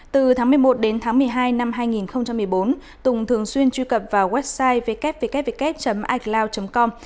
từ tháng một mươi một đến tháng một mươi hai năm hai nghìn một mươi bốn tùng thường xuyên truy cập vào website ww icloud com